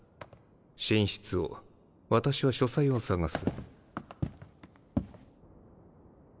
寝室を私は書斎を探す。